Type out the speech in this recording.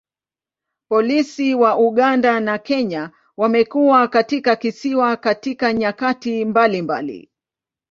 Polisi wa Uganda na Kenya wamekuwa katika kisiwa katika nyakati mbalimbali.